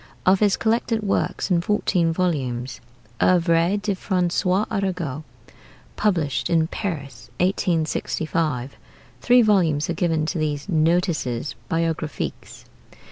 Of his collected works in fourteen volumes, 'Oeuvres de François Arago,' published in Paris, 1865, three volumes are given to these 'Notices Biographiques.'